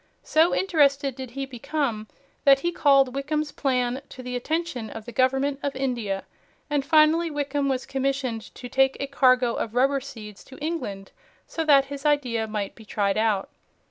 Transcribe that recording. So interested did he become that he called Wickham's plan to the attention of the Government of India, and finally Wickham was commissioned to take a cargo of rubber seeds to England, so that his idea might be tried out.